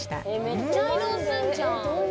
めっちゃ移動するじゃん。